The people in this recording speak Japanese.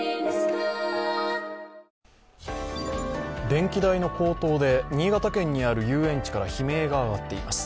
電気代の高騰で新潟県にある遊園地から悲鳴が上がっています。